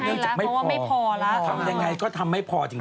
เพราะว่าไม่พอแล้วทำยังไงก็ทำไม่พอจริง